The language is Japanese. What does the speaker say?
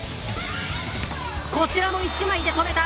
こちらも１枚で止めた。